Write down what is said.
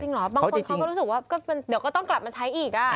บางคนเขาก็รู้สึกว่าเดี๋ยวก็ต้องกลับมาใช้อีก